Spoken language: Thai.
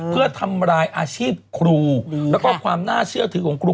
เพื่อทำลายอาชีพครูแล้วก็ความน่าเชื่อถือของครู